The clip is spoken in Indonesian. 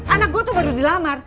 anak gue tuh baru dilamar